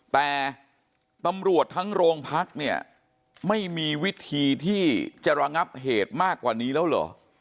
แต่ตำรวจทั้งโรงพักเนี่ยไม่มีวิธีที่จะระงับเหตุมากกว่านี้แล้วเหรอ